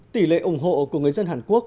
tỷ lệ ủng hộ của người dân hàn quốc